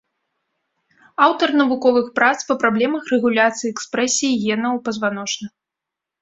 Аўтар навуковых прац па праблемах рэгуляцыі экспрэсіі гена ў пазваночных.